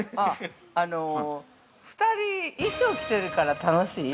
◆あのー、２人衣装を着てるから楽しい？